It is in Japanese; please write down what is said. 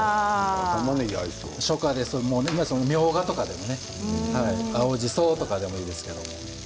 初夏ですと、みょうがとかでもね青じそとかでもいいですね。